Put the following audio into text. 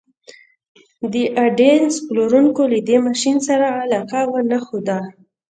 د ايډېسن پلورونکو له دې ماشين سره علاقه ونه ښوده.